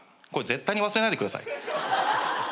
これ絶対に忘れないでください。